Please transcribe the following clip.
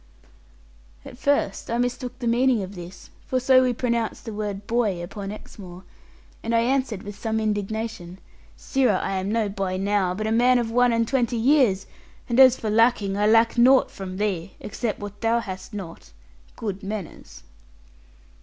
At first I mistook the meaning of this for so we pronounce the word 'boy' upon Exmoor and I answered with some indignation, 'Sirrah, I am no boy now, but a man of one and twenty years; and as for lacking, I lack naught from thee, except what thou hast not good manners.'